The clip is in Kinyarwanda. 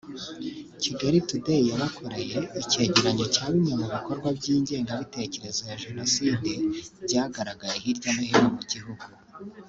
Kigali Today yabakoreye icyegeranyo cya bimwe mu bikorwa by’ingengabitekerezo ya Jenoside byagaragaye hirya no hino mu gihugu